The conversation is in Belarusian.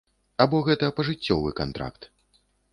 Або гэта пажыццёвы кантракт?